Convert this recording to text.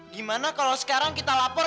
gimana kalau sekarang kita lapor